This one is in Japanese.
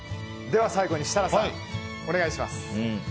最後に設楽さんお願いします。